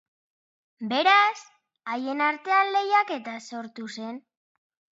Beraz, haien artean lehiaketa sortu zen.